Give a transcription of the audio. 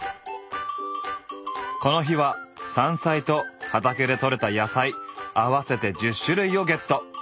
この日は山菜と畑で採れた野菜合わせて１０種類をゲット！